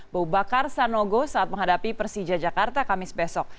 bau bakar sanogo saat menghadapi persija jakarta kamis besok